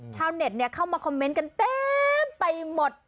ชาวเน็ตเข้ามาคอมเมนต์กันเต็มไปหมด